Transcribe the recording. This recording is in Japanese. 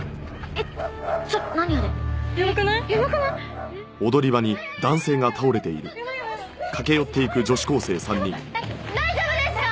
えっ大丈夫ですか！？